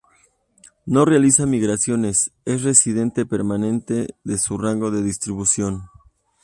No realiza migraciones, es residente permanente de su rango de distribución.